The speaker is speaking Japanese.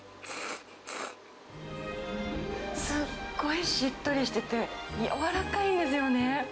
すっごいしっとりしてて、柔らかいんですよね。